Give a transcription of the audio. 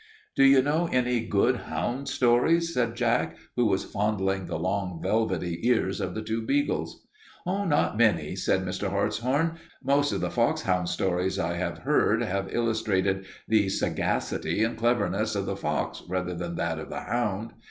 "Do you know any good hound stories?" asked Jack, who was fondling the long, velvety ears of the two beagles. "Not many," said Mr. Hartshorn. "Most of the foxhound stories I have heard have illustrated the sagacity and cleverness of the fox rather than that of the hound.